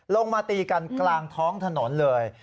ลงมาตีกันกลางท้องถนนเลย